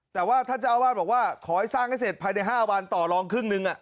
แต่ว่าท่านเจ้าอาวาสบอกว่าขอให้สร้างให้เสร็จภายใน๕วันต่อรองครึ่งหนึ่ง